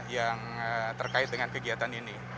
yang terkait dengan kegiatan ini